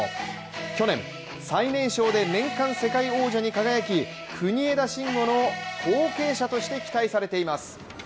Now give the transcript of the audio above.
去年、最年少で年間世界王者に輝き、国枝慎吾の後継者として期待されています。